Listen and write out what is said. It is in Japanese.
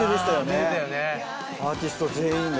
アーティスト全員が。